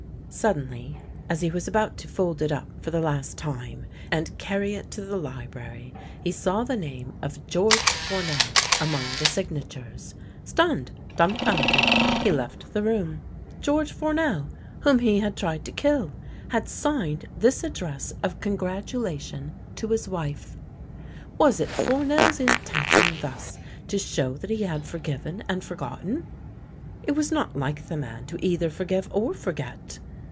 Suddenly, as he was about to fold it up for the last time, and carry it to the library, he saw the name of George Fournel among the signatures. Stunned, dumfounded, he left the room, George Fournel, whom he had tried to kill, had signed this address of congratulation to his wife! Was it Fournel's intention thus to show that he had forgiven and forgotten? It was not like the man to either forgive or forget.